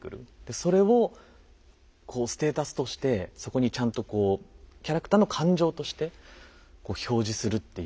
それをこうステータスとしてそこにちゃんとこうキャラクターの感情としてこう表示するっていう。